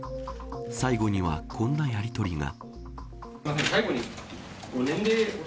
最後には、こんなやりとりが。